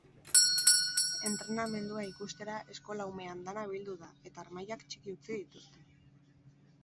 Entrenamendua ikustera eskola-ume andana bildu da eta harmailak txiki utzi dituzte.